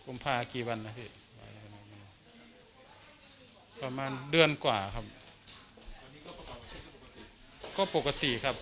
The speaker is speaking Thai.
กุมภาทีคือหนึ่งที่ประมาณเดือนก่อนครับ